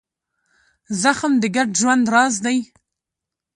زغم د ګډ ژوند راز دی.